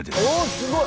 すごい。